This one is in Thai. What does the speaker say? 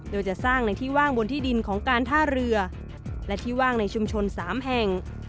โดยจะสร้างในที่ว่างบนที่ดินของการท่าเรือและที่ว่างในชุมชน๓แห่ง